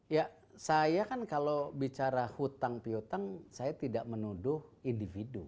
ya saya kan kalau bicara hutang pihutang saya tidak menuduh individu